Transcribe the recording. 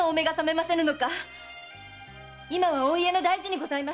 今はお家の大事にございます！